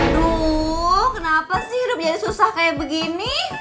aduh kenapa sih hidup jadi susah kayak begini